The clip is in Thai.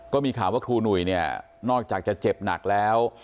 ก็มีข่าวว่าครูหนุ่ยเนี่ยนอกจากจะเจ็บหนักแล้ว